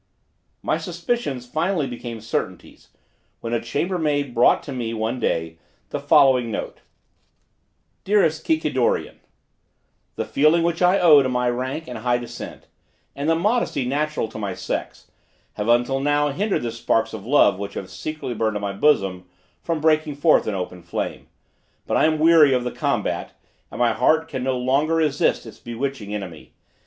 My suspicions finally became certainties, when a chambermaid brought to me, one day, the following note: "DEAREST KIKIDORIAN, "The feeling which I owe to my rank and high descent, and the modesty natural to my sex, have until now hindered the sparks of love which have long secretly burned in my bosom, from breaking forth in open flame: but I am weary of the combat, and my heart can no longer resist its bewitching enemy.